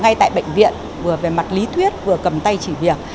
ngay tại bệnh viện vừa về mặt lý thuyết vừa cầm tay chỉ việc